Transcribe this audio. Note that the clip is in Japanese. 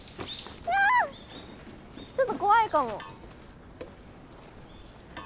ちょっと怖いかも。